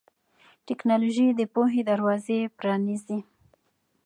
ټیکنالوژي د پوهې دروازې پرانیزي.